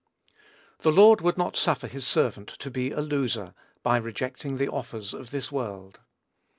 The Lord would not suffer his servant to be a loser, by rejecting the offers of this world.